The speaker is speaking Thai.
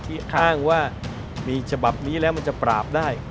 อ้างว่ามีฉบับนี้แล้วมันจะปราบได้